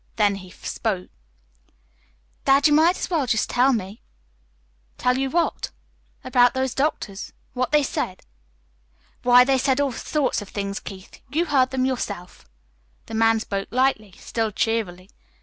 Then he spoke. "Dad, you might just as well tell me." "Tell you what?" "About those doctors what they said." "Why, they said all sorts of things, Keith. You heard them yourself." The man spoke lightly, still cheerily.